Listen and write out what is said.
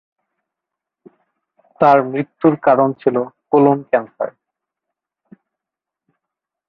তার মৃত্যুর কারণ ছিলো কোলন ক্যান্সার।